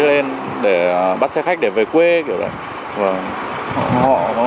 rồi lên để bắt xe khách để về quê kiểu vậy